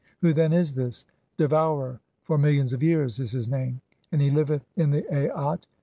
Who then is (42) this? "Devourer for millions of years" is his name, and he liveth in the Aat.